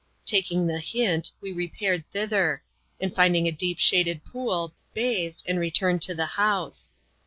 Taking the hint, we repaired thither ; and finding a deep shaded pool, bathed, and returned to the house.